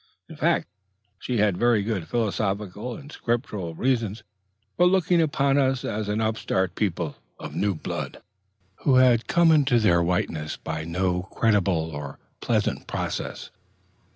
In fact, she had very good philosophical and Scriptural reasons for looking upon us as an upstart people of new blood, who had come into their whiteness by no creditable or pleasant process.